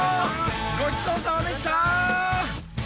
ごちそうさまでした！